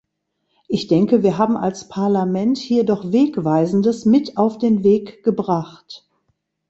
Ich denke, wir haben als Parlament hier doch Wegweisendes mit auf den Weg gebracht.